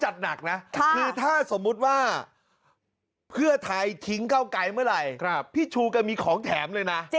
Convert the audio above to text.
จราคมือทหารถ่ายทิ้งเก้าไกเมื่อไหร่กล่าบ๓ก็มีของแถมเลยนะ